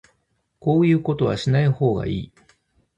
こういうことはしない方がいい